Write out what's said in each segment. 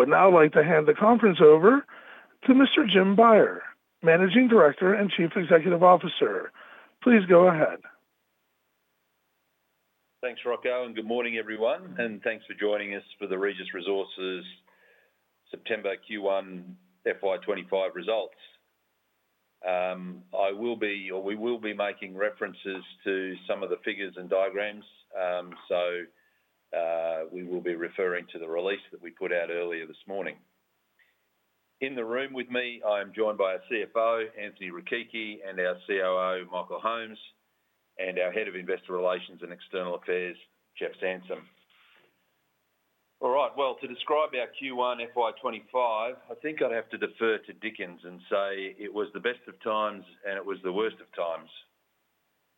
I would now like to hand the conference over to Mr. Jim Beyer, Managing Director and Chief Executive Officer. Please go ahead. Thanks, Rocco, and good morning, everyone, and thanks for joining us for the Regis Resources September Q1 FY 2025 results. I will be, or we will be making references to some of the figures and diagrams, so we will be referring to the release that we put out earlier this morning. In the room with me, I am joined by our CFO, Anthony Rechichi, and our COO, Michael Holmes, and our Head of Investor Relations and External Affairs, Jeff Sansom. All right, well, to describe our Q1 FY 2025, I think I'd have to defer to Dickens and say, "It was the best of times, and it was the worst of times,"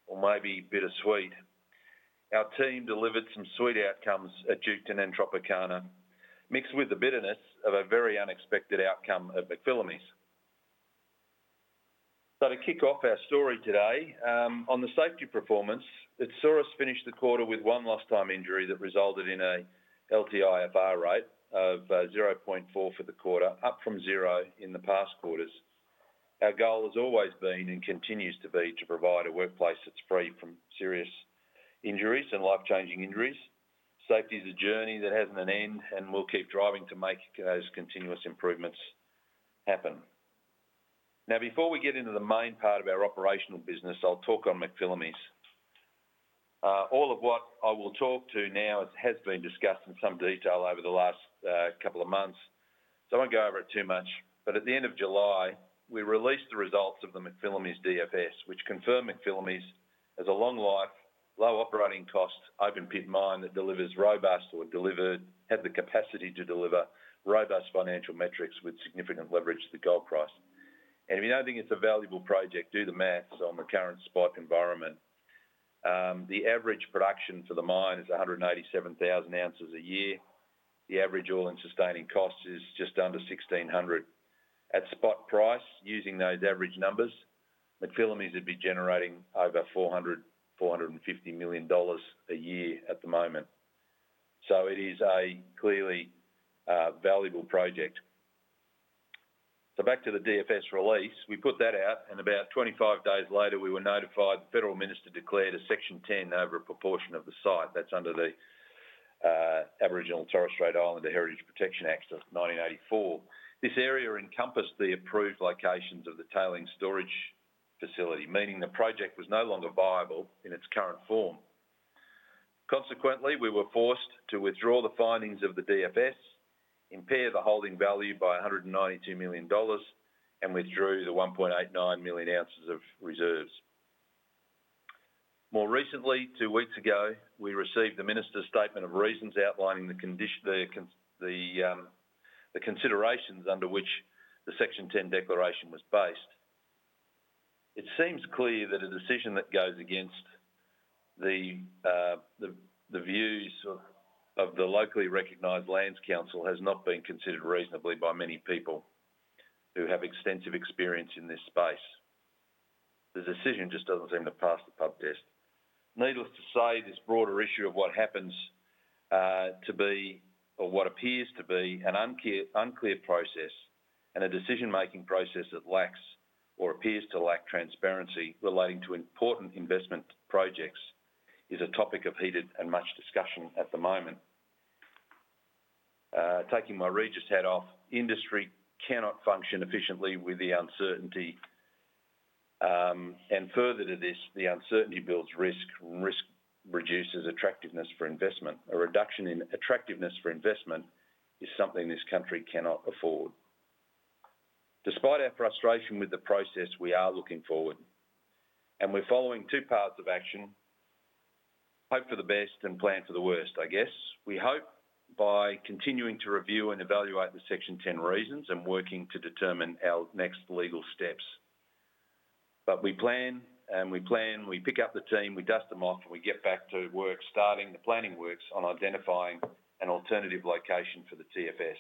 or maybe bittersweet. Our team delivered some sweet outcomes at Duketon and Tropicana, mixed with the bitterness of a very unexpected outcome at McPhillamys. So to kick off our story today, on the safety performance, it saw us finish the quarter with one lost time injury that resulted in a LTIFR rate of 0.4 for the quarter, up from 0 in the past quarters. Our goal has always been, and continues to be, to provide a workplace that's free from serious injuries and life-changing injuries. Safety is a journey that hasn't an end, and we'll keep driving to make those continuous improvements happen. Now, before we get into the main part of our operational business, I'll talk on McPhillamys. All of what I will talk to now has been discussed in some detail over the last couple of months, so I won't go over it too much. At the end of July, we released the results of the McPhillamys DFS, which confirmed McPhillamys has a long life, low operating cost, open-pit mine that had the capacity to deliver robust financial metrics with significant leverage to the gold price. If you don't think it's a valuable project, do the math on the current spot environment. The average production for the mine is 187,000 ounces a year. The average all-in sustaining cost is just under 1,600. At spot price, using those average numbers, McPhillamys would be generating over 450 million dollars a year at the moment. It is a clearly valuable project. Back to the DFS release. We put that out, and about 25 days later, we were notified the Federal Minister declared a Section 10 over a proportion of the site. That's under the Aboriginal and Torres Strait Islander Heritage Protection Act of 1984. This area encompassed the approved locations of the tailings storage facility, meaning the project was no longer viable in its current form. Consequently, we were forced to withdraw the findings of the DFS, impair the holding value by 192 million dollars, and withdrew the 1.89 million ounces of reserves. More recently, two weeks ago, we received the Minister's statement of reasons outlining the condition, the considerations under which the Section 10 declaration was based. It seems clear that a decision that goes against the views of the locally recognized Lands Council has not been considered reasonably by many people who have extensive experience in this space. The decision just doesn't seem to pass the pub test. Needless to say, this broader issue of what happens to be or what appears to be an unclear process and a decision-making process that lacks or appears to lack transparency relating to important investment projects is a topic of heated and much discussion at the moment. Taking my Regis hat off, industry cannot function efficiently with the uncertainty. And further to this, the uncertainty builds risk. Risk reduces attractiveness for investment. A reduction in attractiveness for investment is something this country cannot afford. Despite our frustration with the process, we are looking forward, and we're following two paths of action: Hope for the best and plan for the worst, I guess. We hope by continuing to review and evaluate the Section 10 reasons and working to determine our next legal steps. But we plan and we plan, we pick up the team, we dust them off, and we get back to work, starting the planning works on identifying an alternative location for the TSF.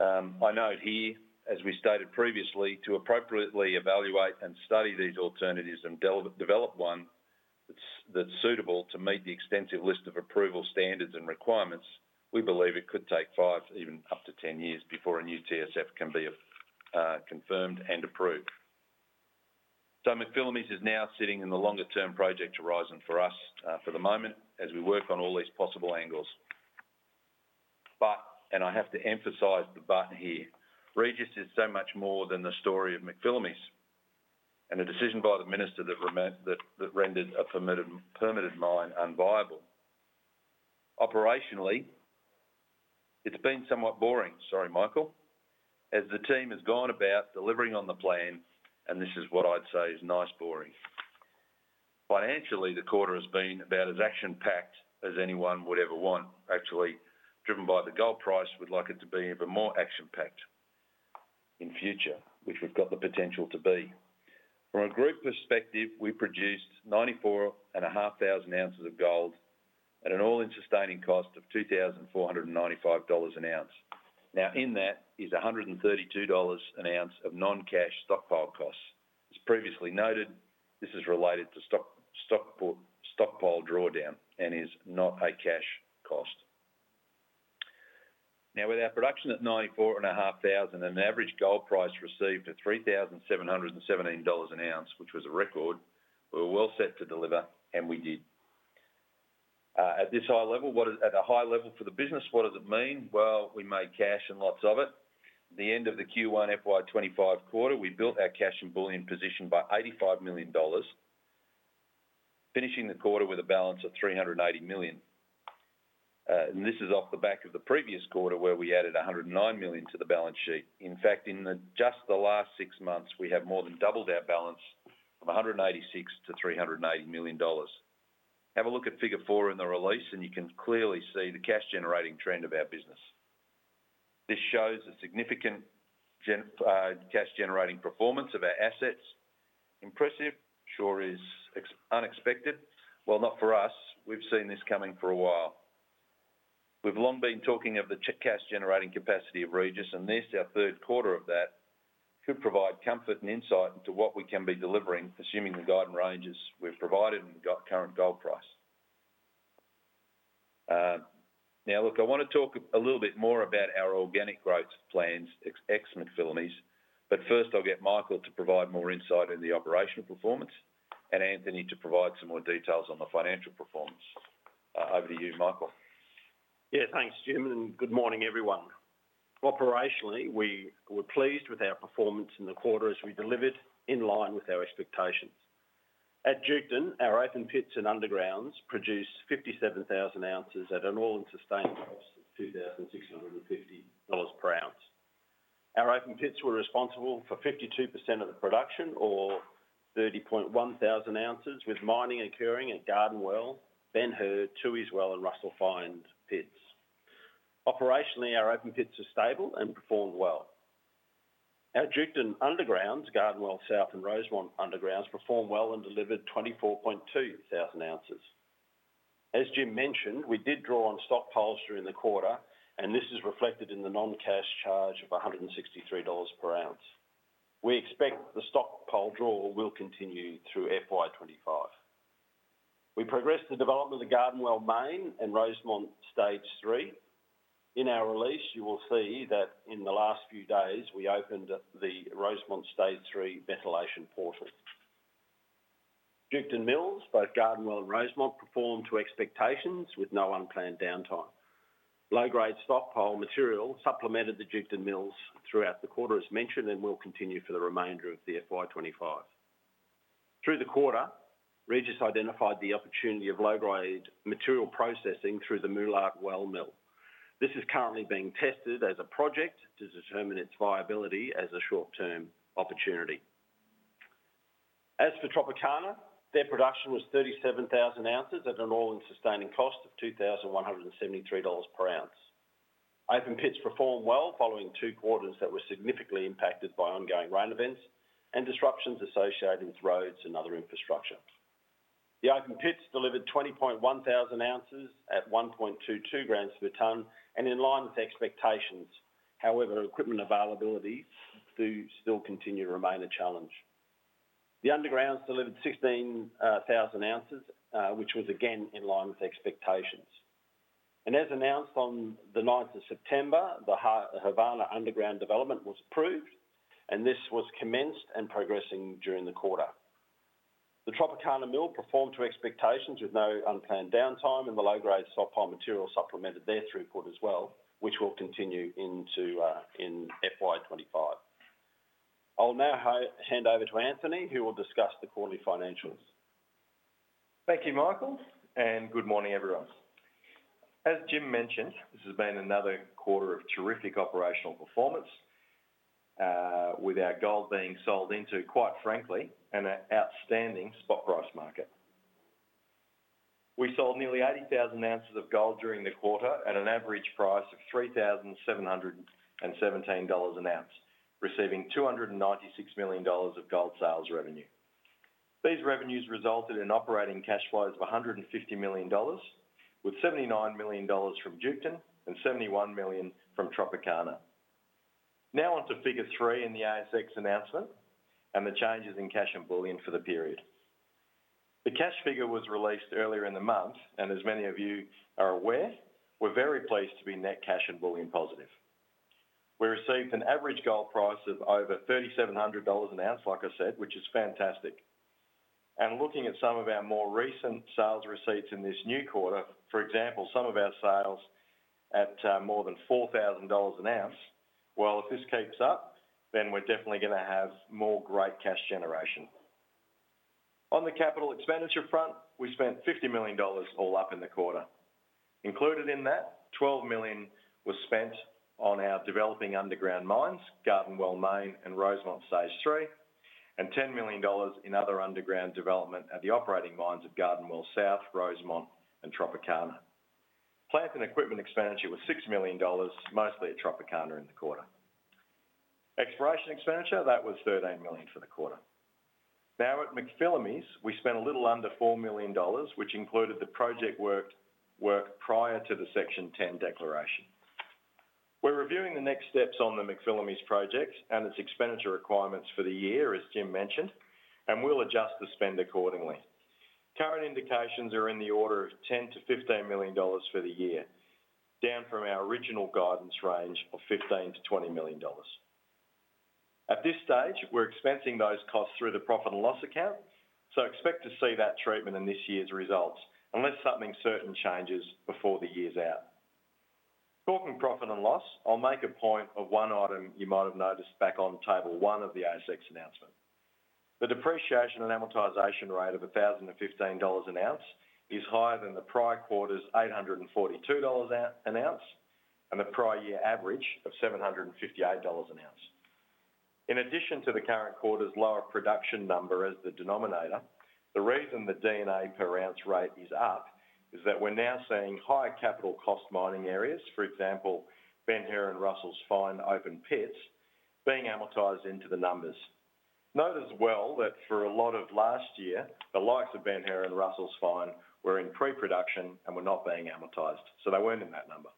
I note here, as we stated previously, to appropriately evaluate and study these alternatives and develop one that's suitable to meet the extensive list of approval standards and requirements, we believe it could take five, even up to 10 years before a new TSF can be confirmed and approved. McPhillamys is now sitting in the longer-term project horizon for us, for the moment, as we work on all these possible angles. And I have to emphasize the but here, Regis is so much more than the story of McPhillamys, and a decision by the Minister that rendered a permitted mine unviable. Operationally, it's been somewhat boring. Sorry, Michael. As the team has gone about delivering on the plan, and this is what I'd say is nice boring. Financially, the quarter has been about as action-packed as anyone would ever want. Actually, driven by the gold price, we'd like it to be even more action-packed in future, which we've got the potential to be. From a group perspective, we produced 94,500 ounces of gold at an all-in sustaining cost of 2,495 dollars an ounce. Now, in that is 132 dollars an ounce of non-cash stockpile costs. As previously noted, this is related to stockpile drawdown and is not a cash cost. Now, with our production at 94,500 and an average gold price received at 3,717 dollars an ounce, which was a record, we were well set to deliver, and we did. At a high level for the business, what does it mean? We made cash, and lots of it. At the end of the Q1 FY 2025 quarter, we built our cash and bullion position by 85 million dollars, finishing the quarter with a balance of 380 million. And this is off the back of the previous quarter, where we added 109 million to the balance sheet. In fact, just the last six months, we have more than doubled our balance from 186 million to 380 million dollars. Have a look at Figure 4 in the release, and you can clearly see the cash-generating trend of our business. This shows a significant cash-generating performance of our assets. Impressive? Sure is unexpected. Not for us. We've seen this coming for a while. We've long been talking of the cash-generating capacity of Regis, and this, our third quarter of that, could provide comfort and insight into what we can be delivering, assuming the guidance ranges we've provided and the current gold price. Now, look, I want to talk a little bit more about our organic growth plans at McPhillamys, but first, I'll get Michael to provide more insight into the operational performance and Anthony to provide some more details on the financial performance. Over to you, Michael. Yeah, thanks, Jim, and good morning, everyone. Operationally, we were pleased with our performance in the quarter as we delivered in line with our expectations. At Duketon, our open pits and undergrounds produced 57,000 ounces at an all-in sustaining cost of 2,650 dollars per ounce. Our open pits were responsible for 52% of the production or 30,100 ounces, with mining occurring at Garden Well, Ben Hur, Tooheys Well, and Russell's Find pits. Operationally, our open pits are stable and performed well. At Duketon Underground, Garden Well South and Rosemont Undergrounds performed well and delivered 24,200 ounces. As Jim mentioned, we did draw on stockpiles during the quarter, and this is reflected in the non-cash charge of 163 dollars per ounce. We expect the stockpile draw will continue through FY 2025. We progressed the development of Garden Well Main and Rosemont Stage 3. In our release, you will see that in the last few days, we opened up the Rosemont Stage 3 ventilation portal. Duketon mills, both Garden Well and Rosemont, performed to expectations with no unplanned downtime. Low-grade stockpile material supplemented the Duketon mills throughout the quarter, as mentioned, and will continue for the remainder of the FY 2025. Through the quarter, Regis identified the opportunity of low-grade material processing through the Moolart Well mill. This is currently being tested as a project to determine its viability as a short-term opportunity. As for Tropicana, their production was 37,000 ounces at an all-in sustaining cost of 2,173 dollars per ounce. Open pits performed well, following two quarters that were significantly impacted by ongoing rain events and disruptions associated with roads and other infrastructure. The open pits delivered 20,100 ounces at 1.22 grams per ton and in line with expectations. However, equipment availability do still continue to remain a challenge. The undergrounds delivered 16,000, which was again in line with expectations. And as announced on the September 9th, the Havana Underground development was approved, and this was commenced and progressing during the quarter. The Tropicana Mill performed to expectations with no unplanned downtime, and the low-grade stockpile material supplemented their throughput as well, which will continue into in FY 2025. I'll now hand over to Anthony, who will discuss the quarterly financials. Thank you, Michael, and good morning, everyone. As Jim mentioned, this has been another quarter of terrific operational performance, with our gold being sold into, quite frankly, an outstanding spot price market. We sold nearly 80,000 ounces of gold during the quarter at an average price of 3,717 dollars an ounce, receiving 296 million dollars of gold sales revenue. These revenues resulted in operating cash flows of 150 million dollars, with 79 million dollars from Duketon and 71 million from Tropicana. Now, on to figure three in the ASX announcement and the changes in cash and bullion for the period. The cash figure was released earlier in the month, and as many of you are aware, we're very pleased to be net cash and bullion positive. We received an average gold price of over 3,700 dollars an ounce, like I said, which is fantastic. And looking at some of our more recent sales receipts in this new quarter, for example, some of our sales at, more than 4,000 dollars an ounce, well, if this keeps up, then we're definitely gonna have more great cash generation. On the capital expenditure front, we spent 50 million dollars all up in the quarter. Included in that, 12 million was spent on our developing underground mines, Garden Well Main and Rosemont Stage 3, and 10 million dollars in other underground development at the operating mines of Garden Well South, Rosemont and Tropicana. Plant and equipment expenditure was 6 million dollars, mostly at Tropicana in the quarter. Exploration expenditure, that was 13 million for the quarter. Now, at McPhillamys, we spent a little under 4 million dollars, which included the project work, work prior to the Section 10 declaration. We're reviewing the next steps on the McPhillamys projects and its expenditure requirements for the year, as Jim mentioned, and we'll adjust the spend accordingly. Current indications are in the order of 10 million-15 million dollars for the year, down from our original guidance range of 15 million-20 million dollars. At this stage, we're expensing those costs through the profit and loss account, so expect to see that treatment in this year's results unless something certain changes before the year's out. Talking profit and loss, I'll make a point of one item you might have noticed back on table one of the ASX announcement. The depreciation and amortization rate of 1,015 dollars an ounce is higher than the prior quarter's 842 dollars an ounce, and the prior year average of 758 dollars an ounce. In addition to the current quarter's lower production number as the denominator, the reason the D&A per ounce rate is up, is that we're now seeing higher capital cost mining areas. For example, Ben Hur and Russell's Find open pits being amortized into the numbers. Note as well that for a lot of last year, the likes of Ben Hur and Russell's Find were in pre-production and were not being amortized, so they weren't in that number.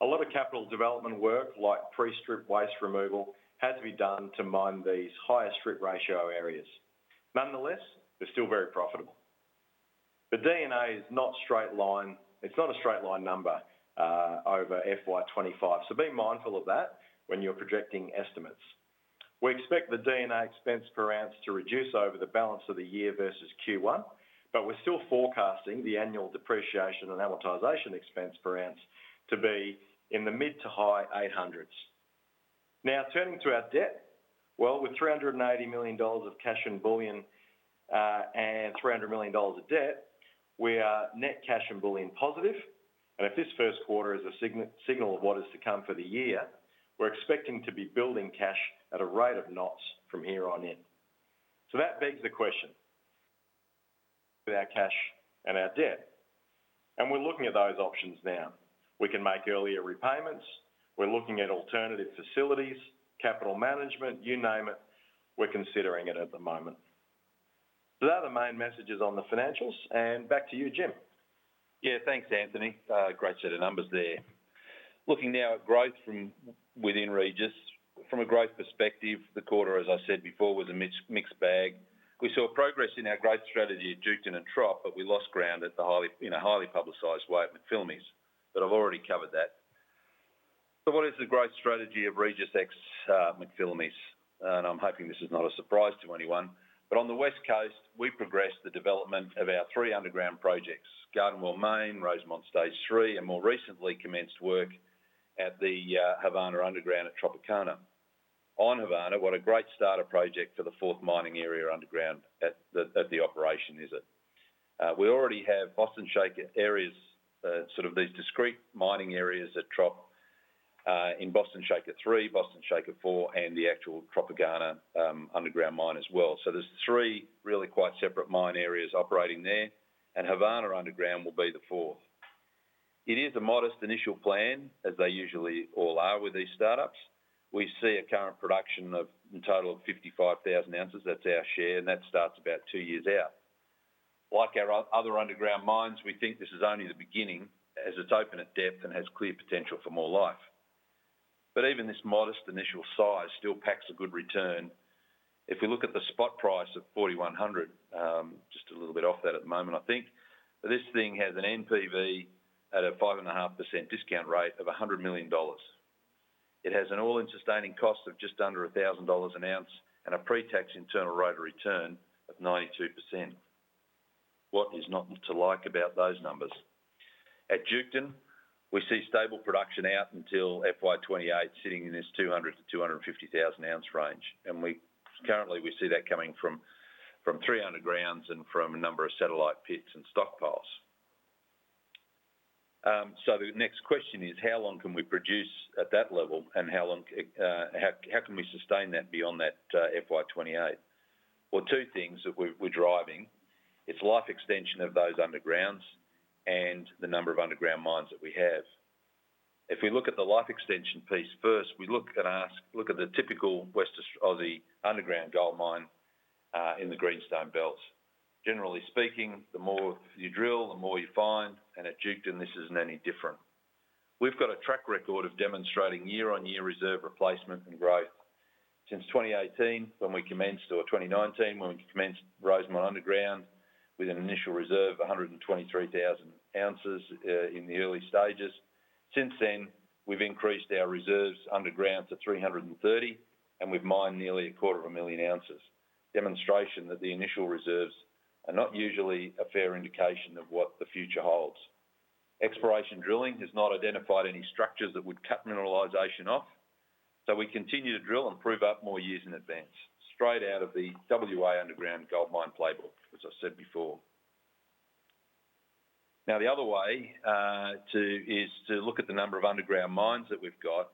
A lot of capital development work, like pre-strip waste removal, had to be done to mine these higher strip ratio areas. Nonetheless, they're still very profitable. The D&A is not straight line. It's not a straight line number over FY 2025, so be mindful of that when you're projecting estimates. We expect the D&A expense per ounce to reduce over the balance of the year versus Q1, but we're still forecasting the annual depreciation and amortization expense per ounce to be in the mid to high-800s. Now, turning to our debt. Well, with 380 million dollars of cash and bullion and 300 million dollars of debt, we are net cash and bullion positive. And if this first quarter is a signal of what is to come for the year, we're expecting to be building cash at a rate of knots from here on in. So that begs the question, with our cash and our debt, and we're looking at those options now. We can make earlier repayments. We're looking at alternative facilities, capital management, you name it, we're considering it at the moment. So they are the main messages on the financials, and back to you, Jim. Yeah, thanks, Anthony. Great set of numbers there. Looking now at growth from within Regis. From a growth perspective, the quarter, as I said before, was a mix, mixed bag. We saw progress in our growth strategy at Duketon and Trop, but we lost ground in a highly publicized way at McPhillamys, but I've already covered that. So what is the growth strategy of Regis ex McPhillamys? And I'm hoping this is not a surprise to anyone, but on the West Coast, we progressed the development of our three underground projects, Garden Well Main, Rosemont Stage 3, and more recently commenced work at the Havana Underground at Tropicana. On Havana, what a great starter project for the fourth mining area underground at the operation, is it? We already have Boston Shaker areas, sort of these discrete mining areas at Trop, in Boston Shaker 3, Boston Shaker 4, and the actual Tropicana underground mine as well. So there's three really quite separate mine areas operating there, and Havana Underground will be the fourth. It is a modest initial plan, as they usually all are with these startups. We see a current production of a total of 55,000 ounces. That's our share, and that starts about two years out. Like our other underground mines, we think this is only the beginning, as it's open at depth and has clear potential for more life. But even this modest initial size still packs a good return. If we look at the spot price of 4,100, just a little bit off that at the moment, I think, this thing has an NPV at a 5.5% discount rate of 100 million dollars. It has an all-in sustaining cost of just under 1,000 dollars an ounce and a pre-tax internal rate of return of 92%. What is not to like about those numbers? At Duketon, we see stable production out until FY 2028, sitting in this 200,000-250,000 ounce range, and we currently see that coming from three undergrounds and from a number of satellite pits and stockpiles. So the next question is: How long can we produce at that level, and how long, how can we sustain that beyond that, FY 2028? Two things that we're driving: it's life extension of those undergrounds and the number of underground mines that we have. If we look at the life extension piece first, we look and ask, look at the typical west of Australia: the underground gold mine in the Greenstone Belt. Generally speaking, the more you drill, the more you find, and at Duketon, this isn't any different. We've got a track record of demonstrating year-on-year reserve replacement and growth. Since 2018, when we commenced, or 2019, when we commenced Rosemont Underground with an initial reserve of 123,000 ounces in the early stages. Since then, we've increased our reserves underground to 330, and we've mined nearly 250,000 ounces. Demonstration that the initial reserves are not usually a fair indication of what the future holds. Exploration drilling has not identified any structures that would cut mineralization off, so we continue to drill and prove up more years in advance, straight out of the WA Underground Gold Mine playbook, as I said before. Now, the other way is to look at the number of underground mines that we've got,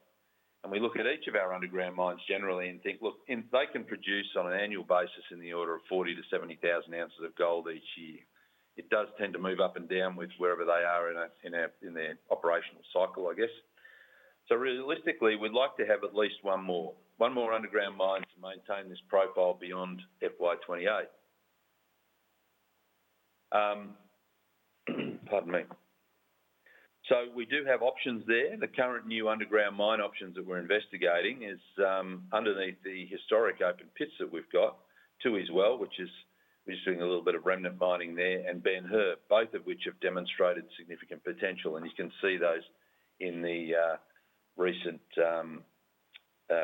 and we look at each of our underground mines generally and think, "Look, if they can produce on an annual basis in the order of 40,000-70,000 ounces of gold each year," it does tend to move up and down with wherever they are in their operational cycle, I guess. So realistically, we'd like to have at least one more underground mine to maintain this profile beyond FY 2028. So we do have options there. The current new underground mine options that we're investigating is underneath the historic open pits that we've got. Tooheys Well, which is we're just doing a little bit of remnant mining there, and Ben Hur, both of which have demonstrated significant potential, and you can see those in the recent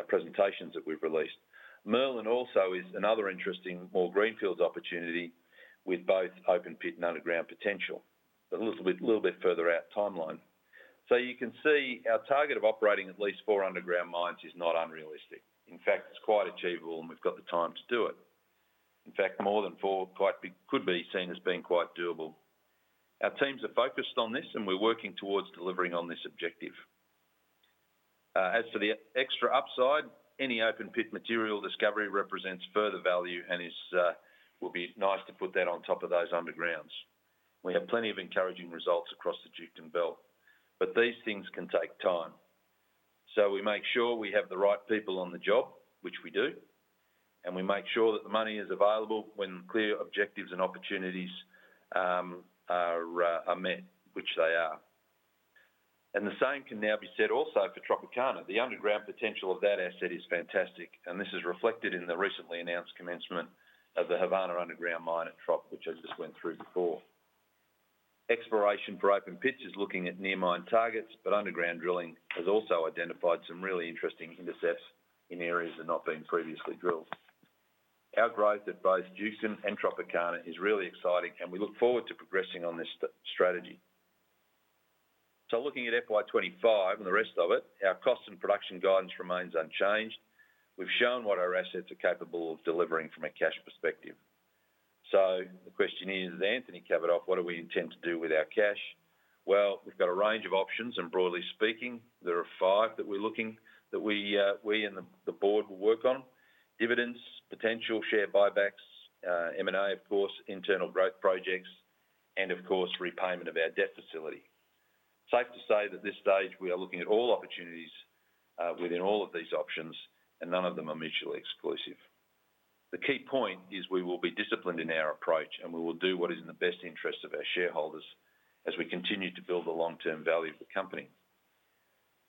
presentations that we've released. Merlin also is another interesting, more greenfields opportunity with both open pit and underground potential, but a little bit further out timeline. So you can see our target of operating at least four underground mines is not unrealistic. In fact, it's quite achievable, and we've got the time to do it. In fact, more than four, quite big, could be seen as being quite doable. Our teams are focused on this, and we're working towards delivering on this objective. As for the extra upside, any open pit material discovery represents further value and will be nice to put that on top of those undergrounds. We have plenty of encouraging results across the Duketon belt, but these things can take time. So we make sure we have the right people on the job, which we do, and we make sure that the money is available when clear objectives and opportunities are met, which they are, and the same can now be said also for Tropicana. The underground potential of that asset is fantastic, and this is reflected in the recently announced commencement of the Havana Underground Mine at Trop, which I just went through before. Exploration for open pits is looking at near mine targets, but underground drilling has also identified some really interesting intercepts in areas that have not been previously drilled. Our growth at both Duketon and Tropicana is really exciting, and we look forward to progressing on this strategy. So looking at FY 2025 and the rest of it, our cost and production guidance remains unchanged. We've shown what our assets are capable of delivering from a cash perspective. So the question is, Anthony Rechichi, what do we intend to do with our cash? Well, we've got a range of options, and broadly speaking, there are five that we're looking at that we and the board will work on. Dividends, potential share buybacks, M&A, of course, internal growth projects, and of course, repayment of our debt facility. Safe to say at this stage, we are looking at all opportunities within all of these options, and none of them are mutually exclusive. The key point is we will be disciplined in our approach, and we will do what is in the best interest of our shareholders as we continue to build the long-term value of the company.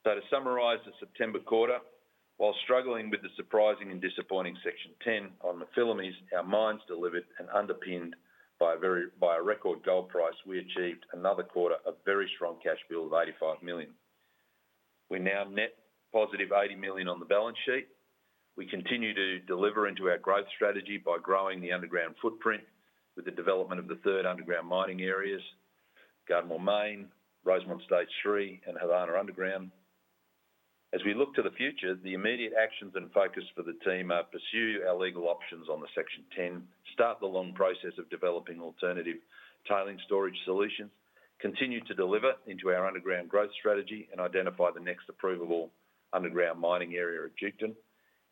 So to summarize the September quarter, while struggling with the surprising and disappointing Section 10 on the McPhillamys, our mines delivered and underpinned by a record gold price, we achieved another quarter of very strong cash build of 85 million. We're now net positive 80 million on the balance sheet. We continue to deliver into our growth strategy by growing the underground footprint with the development of the third underground mining areas, Garden Well Main, Rosemont Stage 3, and Havana Underground. As we look to the future, the immediate actions and focus for the team are: pursue our legal options on the Section 10, start the long process of developing alternative tailings storage solutions, continue to deliver into our underground growth strategy, and identify the next approvable underground mining area at Duketon,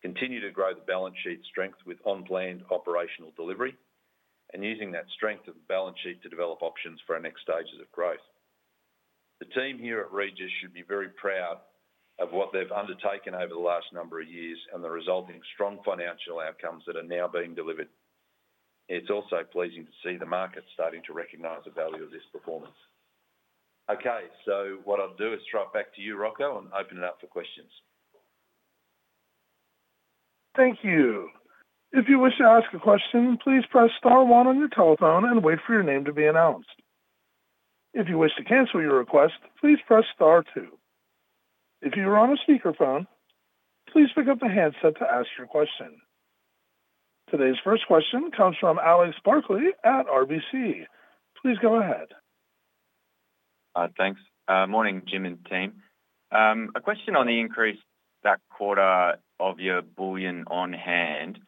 continue to grow the balance sheet strength with on-plan operational delivery, and using that strength of the balance sheet to develop options for our next stages of growth. The team here at Regis should be very proud of what they've undertaken over the last number of years and the resulting strong financial outcomes that are now being delivered. It's also pleasing to see the market starting to recognize the value of this performance. Okay, so what I'll do is throw it back to you, Rocco, and open it up for questions. Thank you. If you wish to ask a question, please press star one on your telephone and wait for your name to be announced. If you wish to cancel your request, please press star two. If you are on a speakerphone, please pick up the handset to ask your question. Today's first question comes from Alex Barkley at RBC. Please go ahead. Thanks. Morning, Jim and team. A question on the increase that quarter of your bullion on hand.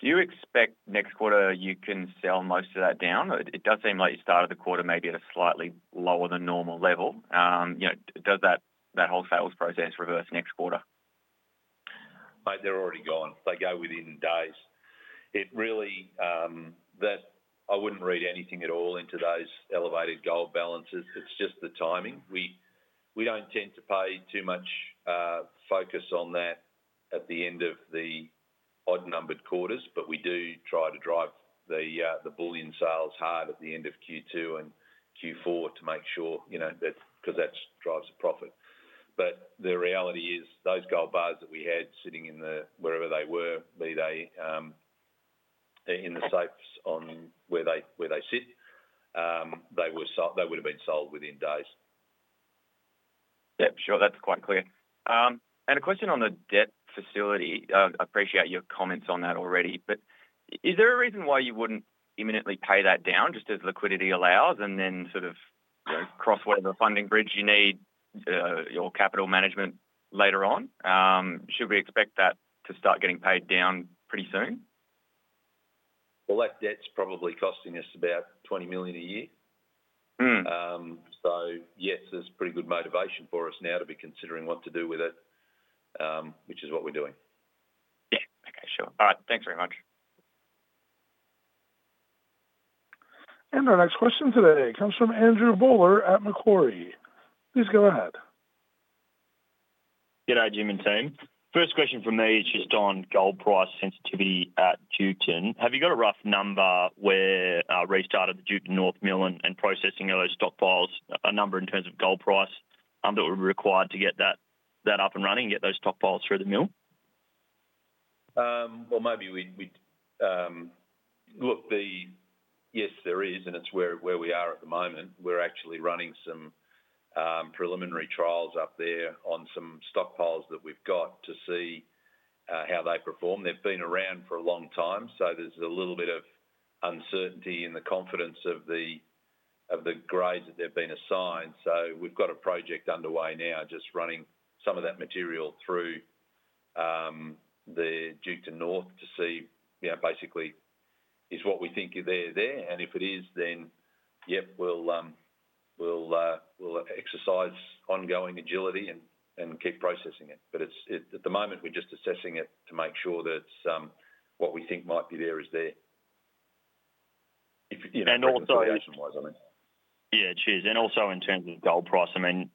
Do you expect next quarter you can sell most of that down? It does seem like you started the quarter maybe at a slightly lower than normal level. You know, does that whole sales process reverse next quarter? Mate, they're already gone. They go within days. It really, I wouldn't read anything at all into those elevated gold balances. It's just the timing. We don't tend to pay too much focus on that at the end of the odd-numbered quarters, but we do try to drive the bullion sales hard at the end of Q2 and Q4 to make sure, you know, that, because that drives the profit. But the reality is, those gold bars that we had sitting in the, wherever they were, be they, they're in the safes or where they sit, they would have been sold within days. Yep, sure. That's quite clear, and a question on the debt facility. I appreciate your comments on that already, but is there a reason why you wouldn't imminently pay that down just as liquidity allows and then sort of, you know, cross whatever funding bridge you need, your capital management later on? Should we expect that to start getting paid down pretty soon? That debt's probably costing us about 20 million a year. Mm. So yes, there's pretty good motivation for us now to be considering what to do with it, which is what we're doing. Yeah. Okay, sure. All right. Thanks very much. Our next question today comes from Andrew Bowler at Macquarie. Please go ahead. Good day, Jim and team. First question from me is just on gold price sensitivity at Duketon. Have you got a rough number where restarted the Duketon North mill and processing those stockpiles, a number in terms of gold price, that would be required to get that up and running and get those stockpiles through the mill? Well, look, yes, there is, and it's where we are at the moment. We're actually running some preliminary trials up there on some stockpiles that we've got to see how they perform. They've been around for a long time, so there's a little bit of uncertainty in the confidence of the grades that they've been assigned. So we've got a project underway now, just running some of that material through the Duketon North to see, you know, basically, is what we think is there, there? And if it is, then, yep, we'll exercise ongoing agility and keep processing it. But at the moment, we're just assessing it to make sure that what we think might be there is there. If, you know- And also- Evaluation-wise, I mean. Yeah, cheers, and also in terms of gold price, I mean,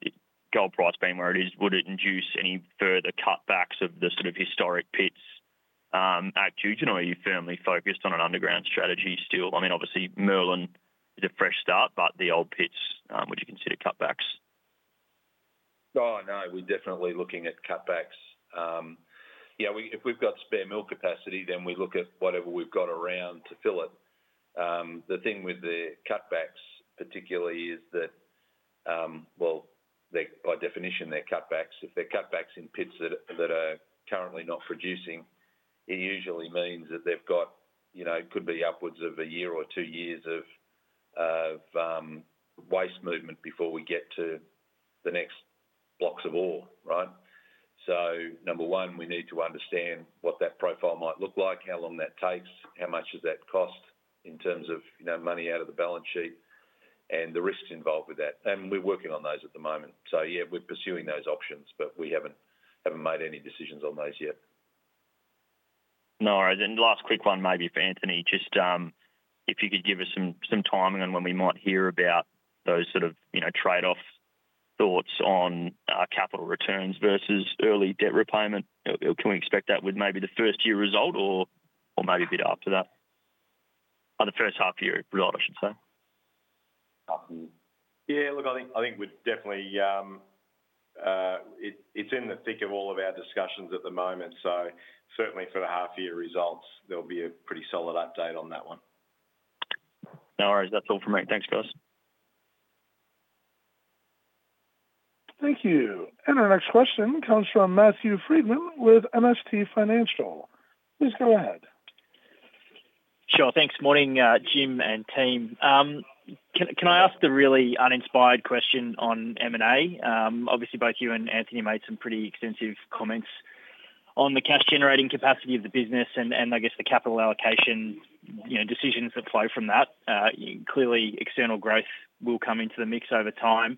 gold price being where it is, would it induce any further cutbacks of the sort of historic pits at Duketon, or are you firmly focused on an underground strategy still? I mean, obviously, Merlin is a fresh start, but the old pits, would you consider cutbacks? Oh, no, we're definitely looking at cutbacks. Yeah, if we've got spare mill capacity, then we look at whatever we've got around to fill it. The thing with the cutbacks, particularly, is that, well, they're, by definition, they're cutbacks. If they're cutbacks in pits that are currently not producing, it usually means that they've got, you know, could be upwards of a year or two years of waste movement before we get to the next blocks of ore, right? So, number one, we need to understand what that profile might look like, how long that takes, how much does that cost in terms of, you know, money out of the balance sheet and the risks involved with that. And we're working on those at the moment. So yeah, we're pursuing those options, but we haven't made any decisions on those yet. No worries. And last quick one, maybe for Anthony, just, if you could give us some timing on when we might hear about those sort of, you know, trade-off thoughts on capital returns versus early debt repayment. Can we expect that with maybe the first year result or maybe a bit after that? On the first half year result, I should say. Yeah, look, I think we're definitely, it's in the thick of all of our discussions at the moment, so certainly for the half year results, there'll be a pretty solid update on that one. No worries. That's all from me. Thanks, guys. Thank you. And our next question comes from Matthew Frydman with MST Financial. Please go ahead. Sure. Thanks. Morning, Jim and team. Can I ask the really uninspired question on M&A? Obviously, both you and Anthony made some pretty extensive comments on the cash-generating capacity of the business, and I guess the capital allocation, you know, decisions that flow from that. Clearly, external growth will come into the mix over time.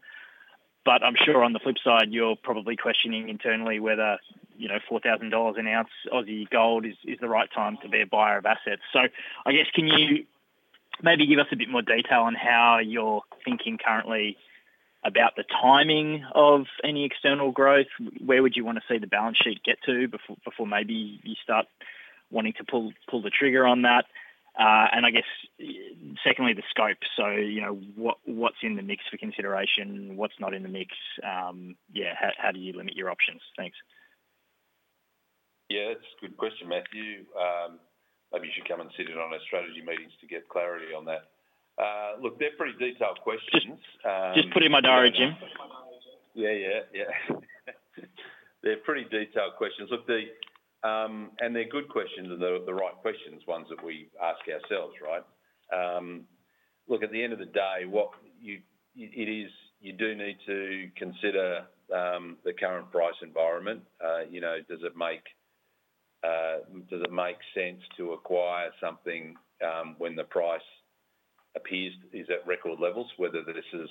But I'm sure on the flip side, you're probably questioning internally whether, you know, 4,000 dollars an ounce Aussie gold is the right time to be a buyer of assets. So I guess, can you maybe give us a bit more detail on how you're thinking currently about the timing of any external growth? Where would you want to see the balance sheet get to before maybe you start wanting to pull the trigger on that? And I guess, secondly, the scope. You know, what's in the mix for consideration? What's not in the mix? Yeah, how do you limit your options? Thanks. Yeah, that's a good question, Matthew. Maybe you should come and sit in on our strategy meetings to get clarity on that. Look, they're pretty detailed questions. Just, just put it in my diary, Jim. Yeah, yeah. They're pretty detailed questions. Look, they and they're good questions, and they're the right questions, ones that we ask ourselves, right? Look, at the end of the day, what you, it is you do need to consider the current price environment. You know, does it make sense to acquire something when the price appears is at record levels? Whether this is,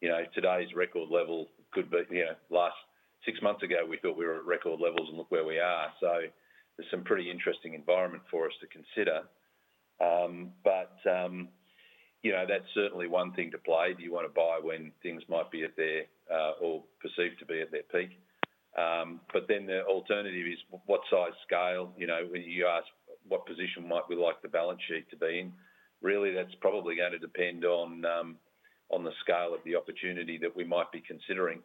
you know, today's record level could be, you know, last six months ago, we thought we were at record levels and look where we are. So there's some pretty interesting environment for us to consider. But you know, that's certainly one thing to play. Do you want to buy when things might be at their or perceived to be at their peak? But then the alternative is, what size scale? You know, when you ask what position might we like the balance sheet to be in, really, that's probably going to depend on, on the scale of the opportunity that we might be considering.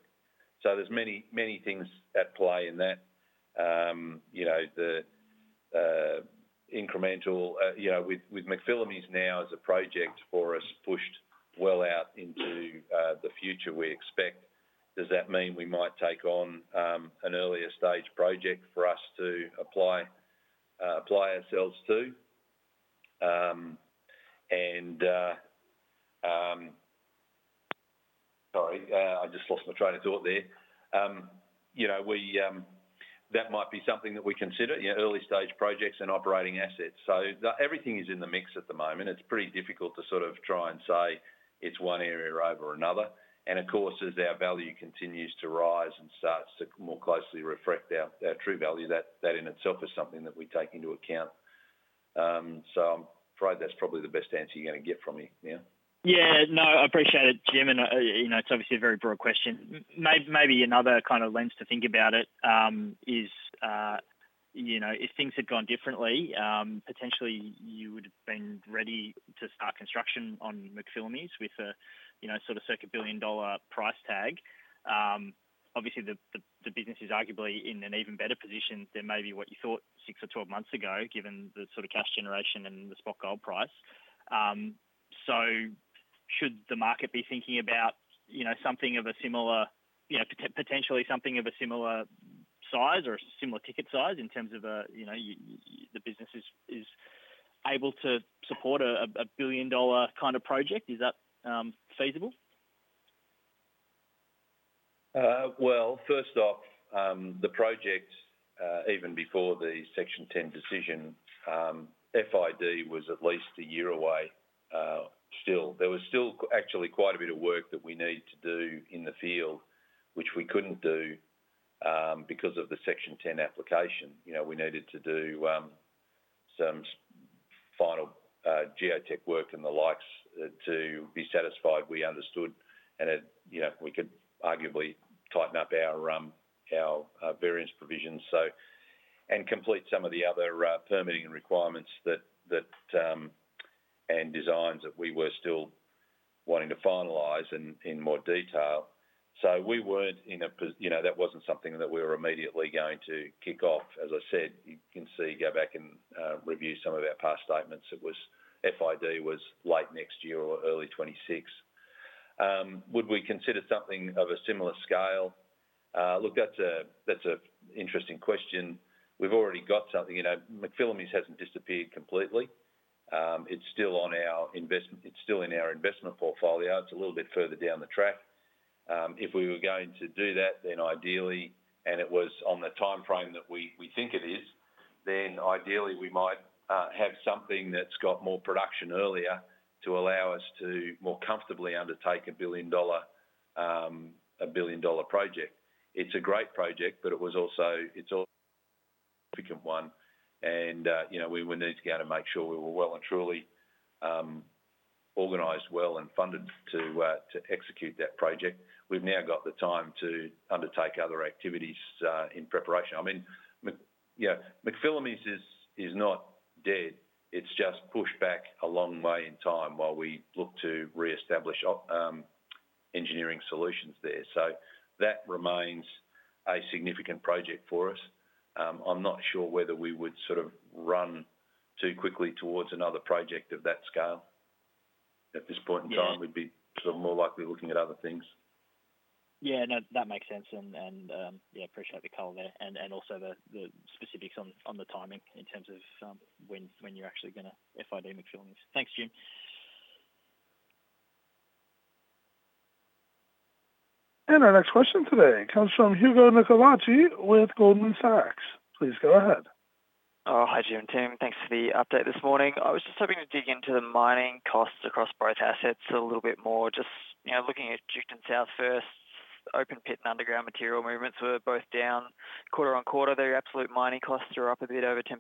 So there's many, many things at play in that. You know, the, incremental, you know, with, with McPhillamys now as a project for us, pushed well out into, the future, we expect, does that mean we might take on, an earlier stage project for us to apply, apply ourselves to? And, sorry, I just lost my train of thought there. You know, we, that might be something that we consider, you know, early-stage projects and operating assets. So, everything is in the mix at the moment. It's pretty difficult to sort of try and say it's one area over another. Of course, as our value continues to rise and starts to more closely reflect our true value, that in itself is something that we take into account. So I'm afraid that's probably the best answer you're gonna get from me, yeah? Yeah, no, I appreciate it, Jim. You know, it's obviously a very broad question. Maybe another kind of lens to think about it is, you know, if things had gone differently, potentially you would have been ready to start construction on McPhillamys with a, you know, sort of circa 1 billion dollar price tag. Obviously, the business is arguably in an even better position than maybe what you thought 6 or 12 months ago, given the sort of cash generation and the spot gold price. So should the market be thinking about, you know, something of a similar, you know, potentially something of a similar size or a similar ticket size in terms of, you know, the business is able to support a billion-dollar kind of project? Is that feasible? Well, first off, the project, even before the Section 10 decision, FID was at least a year away, still. There was still actually quite a bit of work that we needed to do in the field, which we couldn't do because of the Section 10 application. You know, we needed to do some final geotech work and the likes to be satisfied we understood, and that, you know, we could arguably tighten up our variance provisions, so and complete some of the other permitting requirements and designs that we were still wanting to finalize in more detail. So we weren't in a position, you know, that wasn't something that we were immediately going to kick off. As I said, you can see. Go back and review some of our past statements. It was, FID was late next year or early 2026. Would we consider something of a similar scale? Look, that's a, that's an interesting question. We've already got something, you know, McPhillamys hasn't disappeared completely. It's still on our investment. It's still in our investment portfolio. It's a little bit further down the track. If we were going to do that, then ideally, and it was on the timeframe that we, we think it is, then ideally, we might have something that's got more production earlier to allow us to more comfortably undertake a billion-dollar project. It's a great project, but it was also, it's a significant one, and, you know, we would need to go out and make sure we were well and truly organized well and funded to execute that project. We've now got the time to undertake other activities in preparation. I mean, McPhillamys, you know, is not dead. It's just pushed back a long way in time while we look to reestablish engineering solutions there. So that remains a significant project for us. I'm not sure whether we would sort of run too quickly towards another project of that scale. At this point in time- Yeah. We'd be sort of more likely looking at other things. Yeah, no, that makes sense, and yeah, appreciate the call there, and also the specifics on the timing in terms of when you're actually gonna FID McPhillamys. Thanks, Jim. Our next question today comes from Hugo Nicolaci with Goldman Sachs. Please go ahead. Oh, hi, Jim and team. Thanks for the update this morning. I was just hoping to dig into the mining costs across both assets a little bit more. Just, you know, looking at Duketon South first, open pit and underground material movements were both down quarter-on-quarter. Their absolute mining costs are up a bit over 10%,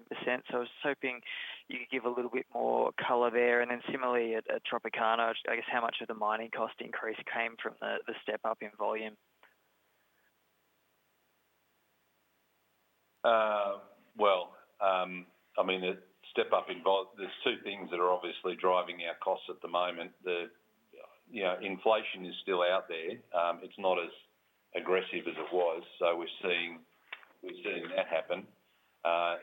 so I was just hoping you could give a little bit more color there. And then similarly, at Tropicana, I guess, how much of the mining cost increase came from the step up in volume? Well, I mean, the step up in—there's two things that are obviously driving our costs at the moment. The, you know, inflation is still out there. It's not as aggressive as it was, so we're seeing that happen.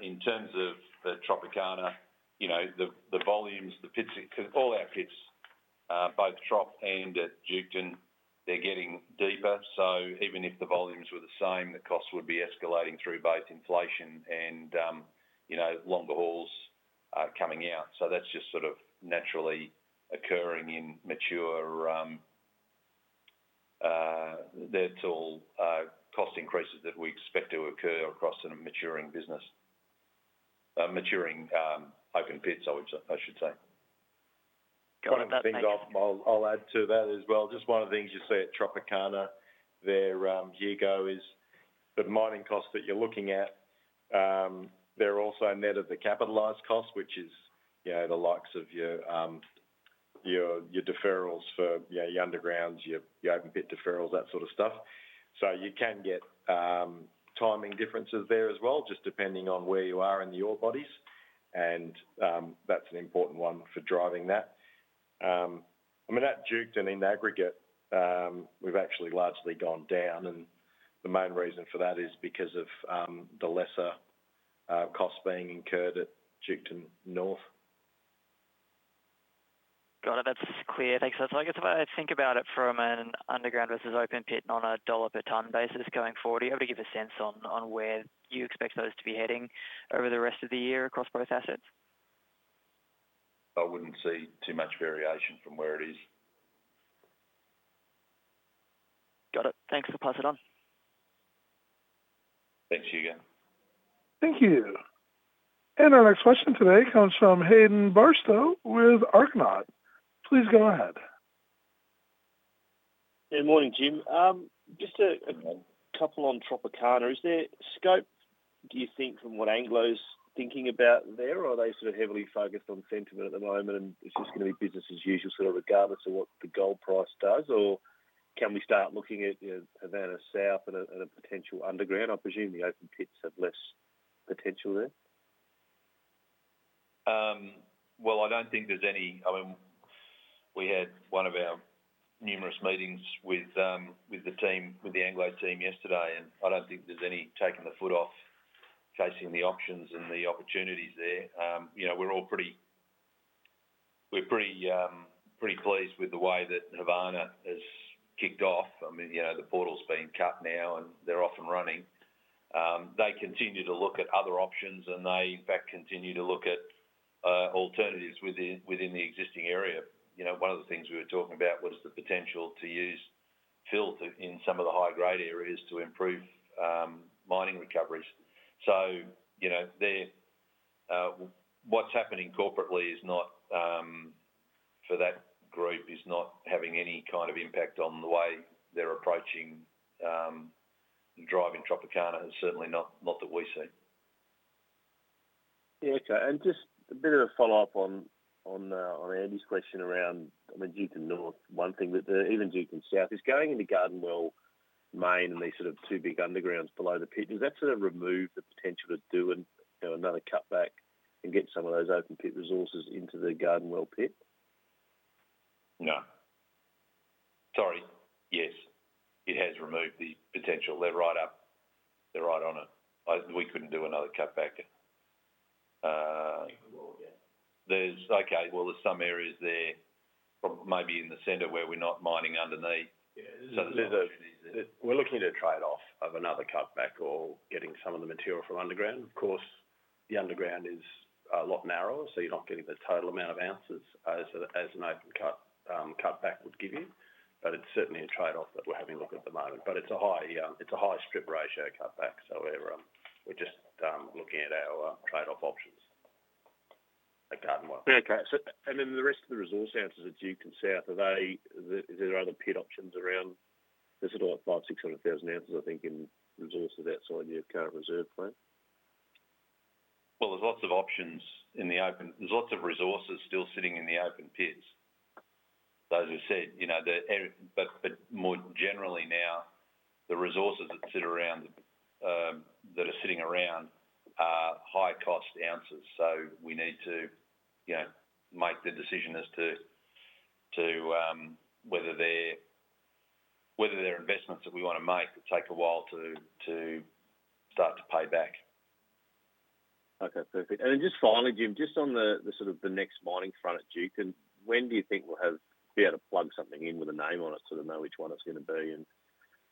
In terms of the Tropicana, you know, the volumes, the pits, 'cause all our pits, both Trop and at Duketon, they're getting deeper. So even if the volumes were the same, the costs would be escalating through both inflation and, you know, longer hauls coming out. So that's just sort of naturally occurring in mature. They're all cost increases that we expect to occur across in a maturing business, maturing open pits, I would, I should say. Got it. Thanks. One of the things I'll add to that as well, just one of the things you see at Tropicana there a year ago is the mining costs that you're looking at. They're also net of the capitalized cost, which is, you know, the likes of your deferrals for, you know, your undergrounds, your open pit deferrals, that sort of stuff. So you can get timing differences there as well, just depending on where you are in the ore bodies, and that's an important one for driving that. I mean, at Duketon, in aggregate, we've actually largely gone down, and the main reason for that is because of the lesser costs being incurred at Duketon North. Got it. That's clear. Thanks. So I guess if I think about it from an underground versus open pit on a dollar-per-ton basis going forward, do you have to give a sense on where you expect those to be heading over the rest of the year across both assets? I wouldn't see too much variation from where it is. Got it. Thanks for passing on. Thanks, Hugo. Thank you, and our next question today comes from Hayden Bairstow with Argonaut. Please go ahead. Good morning, Jim. Just a couple on Tropicana. Is there scope, do you think, from what Anglo's thinking about there, or are they sort of heavily focused on sentiment at the moment, and it's just gonna be business as usual, sort of, regardless of what the gold price does? Or can we start looking at, you know, Havana South and a potential underground? I presume the open pits have less potential there. Well, I don't think there's any. I mean, we had one of our numerous meetings with the team, with the Anglo team yesterday, and I don't think there's any taking the foot off, chasing the options and the opportunities there. You know, we're all pretty pleased with the way that Havana has kicked off. I mean, you know, the portal's been cut now, and they're off and running. They continue to look at other options, and they, in fact, continue to look at alternatives within the existing area. You know, one of the things we were talking about was the potential to use fill in some of the high-grade areas to improve mining recoveries. So, you know, they, what's happening corporately is not, for that group, is not having any kind of impact on the way they're approaching, driving Tropicana, and certainly not that we see. Yeah, okay. And just a bit of a follow-up on Andy's question around, I mean, Duketon North, one thing that even Duketon South, is going into Garden Well Main and these sort of two big undergrounds below the pit, does that sort of remove the potential to do an, you know, another cutback and get some of those open pit resources into the Garden Well pit? No. Sorry, yes, it has removed the potential. They're right up. They're right on it. We couldn't do another cutback. We could well, yeah. Okay, well, there's some areas there, probably maybe in the center, where we're not mining underneath. Yeah, there's a- There's opportunities there. We're looking at a trade-off of another cutback or getting some of the material from underground. Of course, the underground is a lot narrower, so you're not getting the total amount of ounces as an open cut cutback would give you. But it's certainly a trade-off that we're having a look at the moment. But it's a high strip ratio cutback, so we're just looking at our trade-off options at Garden Well. Okay. So, and then the rest of the resources at Duketon South, are they, is there other pit options around? There's sort of like 500,000-600,000 ounces, I think, in resources outside your current reserve plan. There's lots of options in the open. There's lots of resources still sitting in the open pits. Those who said, you know, the, but more generally now, the resources that sit around that are sitting around are high-cost ounces, so we need to, you know, make the decision as to whether they're investments that we wanna make that take a while to start to pay back. Okay, perfect. And then just finally, Jim, just on the sort of the next mining front at Duketon, and when do you think we'll be able to plug something in with a name on it, so to know which one it's gonna be and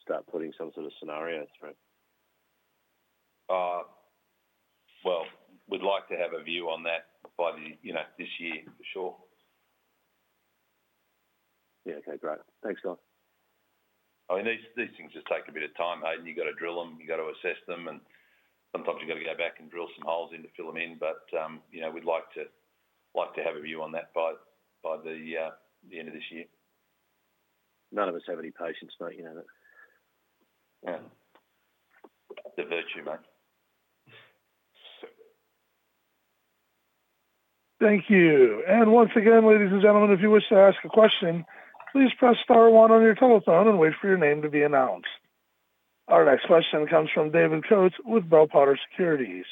start putting some sort of scenario through? Well, we'd like to have a view on that by the, you know, this year, for sure. Yeah. Okay, great. Thanks, guys. I mean, these things just take a bit of time, Hayden. You gotta drill them, you gotta assess them, and sometimes you gotta go back and drill some holes in to fill them in. But, you know, we'd like to have a view on that by the end of this year. None of us have any patience, mate, you know that. Yeah. The virtue, mate. Thank you. And once again, ladies and gentlemen, if you wish to ask a question, please press star one on your telephone and wait for your name to be announced. Our next question comes from David Coates with Bell Potter Securities.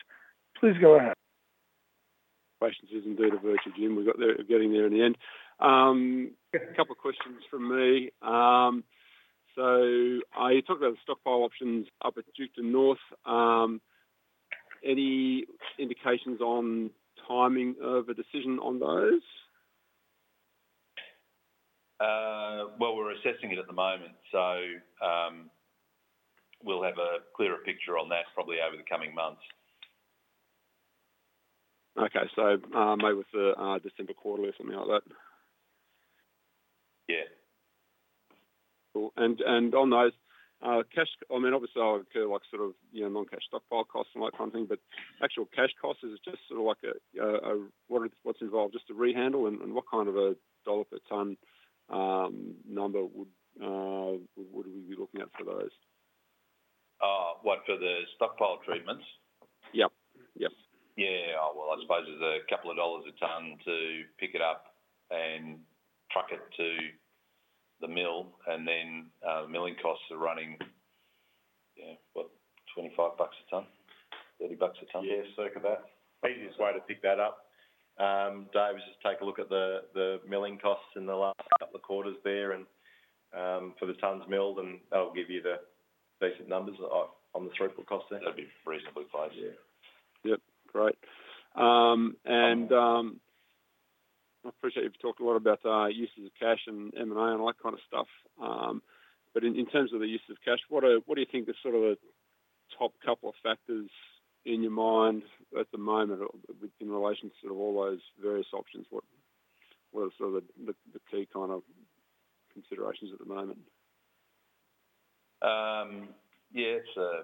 Please go ahead. Questioning is indeed a virtue, Jim. We got there, getting there in the end. A couple questions from me, so I talked about the stockpile options up at Duketon North. Any indications on timing of a decision on those? Well, we're assessing it at the moment, so, we'll have a clearer picture on that probably over the coming months. Okay. So, maybe with the December quarterly or something like that? Yeah. Cool. And on those cash, I mean, obviously, we'll incur like sort of, you know, non-cash stockpile costs and like one thing, but actual cash costs, is it just sort of like a, what's involved just to rehandle and what kind of a dollar per ton number would we be looking at for those? What, for the stockpile treatments? Yep. Yep. Yeah, well, I suppose it's a couple of dollars a ton to pick it up and truck it to the mill, and then milling costs are running, yeah, what? 25 bucks a ton, 30 bucks a ton. Yeah, circa that. Easiest way to pick that up, Dave, is just take a look at the milling costs in the last couple of quarters there and, for the tons milled, and that will give you the basic numbers on the throughput cost there. That'd be reasonably close, yeah. Yep, great, and I appreciate you've talked a lot about uses of cash and M&A and all that kind of stuff, but in terms of the use of cash, what do you think is sort of the top couple of factors in your mind at the moment in relation to all those various options? What are sort of the key kind of considerations at the moment? Yeah, it's a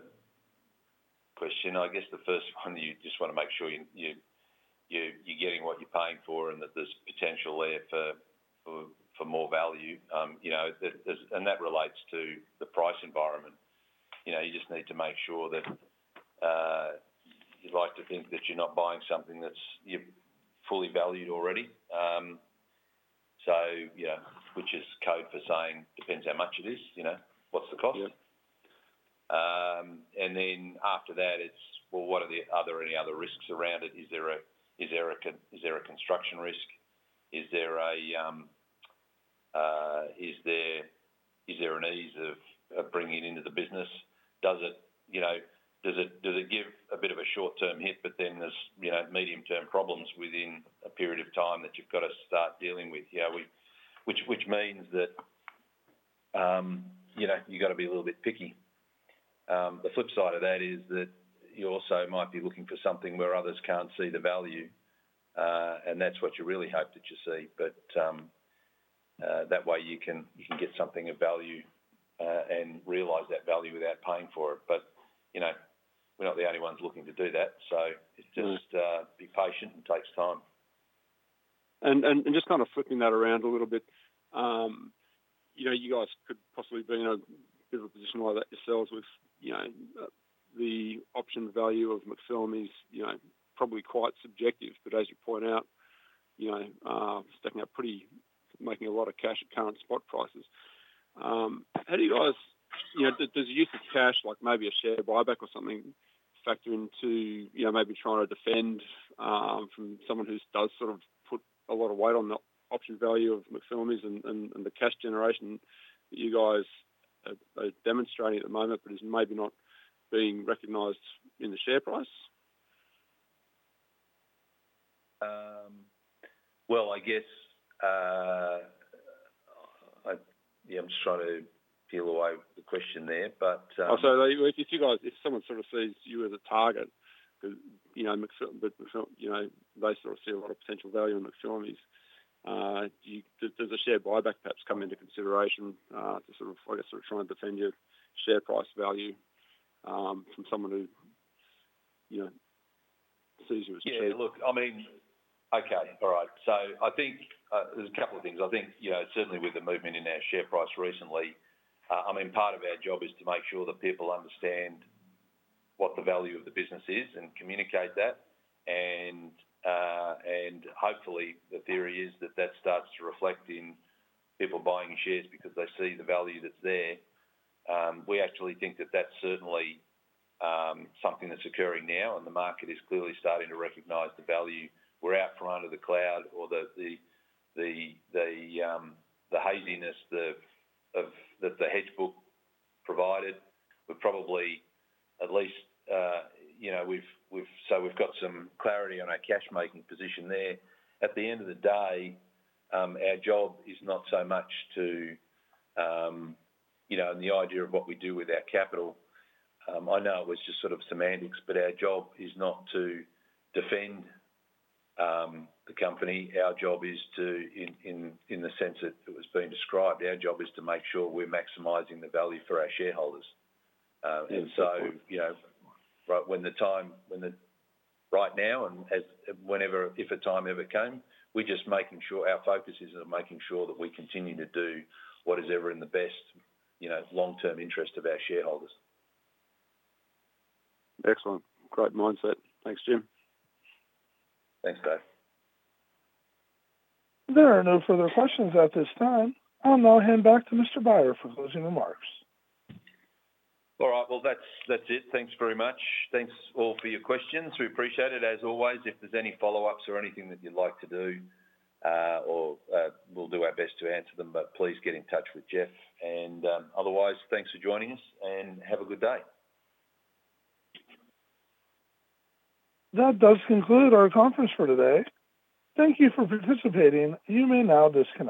question. I guess the first one, you just wanna make sure you're getting what you're paying for, and that there's potential there for more value. You know, that there's, and that relates to the price environment. You know, you just need to make sure that you'd like to think that you're not buying something that's, you've fully valued already. So yeah, which is code for saying, depends how much it is, you know, what's the cost? Yeah. And then after that, it's, well, what are the, are there any other risks around it? Is there a construction risk? Is there an ease of bringing it into the business? Does it, you know, give a bit of a short-term hit, but then there's, you know, medium-term problems within a period of time that you've got to start dealing with? You know, which means that, you know, you've got to be a little bit picky. The flip side of that is that you also might be looking for something where others can't see the value, and that's what you really hope that you see. But that way you can get something of value and realize that value without paying for it. But, you know, we're not the only ones looking to do that, so- Mm. It's just, be patient, it takes time. Just kind of flipping that around a little bit, you know, you guys could possibly be in a position like that yourselves with, you know, the option value of McPhillamys is, you know, probably quite subjective. But as you point out, you know, stacking up pretty, making a lot of cash at current spot prices. How do you guys, you know, does the use of cash, like maybe a share buyback or something, factor into, you know, maybe trying to defend from someone who does sort of put a lot of weight on the option value of McPhillamys and the cash generation that you guys are demonstrating at the moment, but is maybe not being recognized in the share price? I guess, yeah, I'm just trying to peel away the question there, but- Also, if you guys, if someone sort of sees you as a target, you know, McPhillamys, but McPhillamys, you know, they sort of see a lot of potential value in McPhillamys. Does a share buyback perhaps come into consideration, to sort of, I guess, sort of try and defend your share price value, from someone who, you know, sees you as- Yeah, look, I mean. Okay, all right. So I think there's a couple of things. I think, you know, certainly with the movement in our share price recently, I mean, part of our job is to make sure that people understand what the value of the business is and communicate that. And, and hopefully, the theory is that that starts to reflect in people buying shares because they see the value that's there. We actually think that that's certainly something that's occurring now, and the market is clearly starting to recognize the value. We're out from under the cloud or the haziness of that the hedge book provided, but probably at least, you know, we've got some clarity on our cash-making position there. At the end of the day, our job is not so much to, you know, and the idea of what we do with our capital. I know it was just sort of semantics, but our job is not to defend the company. Our job is to, in the sense that it was being described, our job is to make sure we're maximizing the value for our shareholders. And so- Good point. Right now and as whenever, if a time ever came, we're just making sure our focus is on making sure that we continue to do what is ever in the best, you know, long-term interest of our shareholders. Excellent. Great mindset. Thanks, Jim. Thanks, Dave. There are no further questions at this time. I'll now hand back to Mr. Beyer for closing remarks. All right. Well, that's it. Thanks very much. Thanks all for your questions. We appreciate it as always. If there's any follow-ups or anything that you'd like to do, we'll do our best to answer them, but please get in touch with Jeff. Otherwise, thanks for joining us, and have a good day. That does conclude our conference for today. Thank you for participating. You may now disconnect.